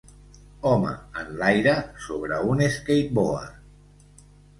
Home en l'aire sobre un skateboard.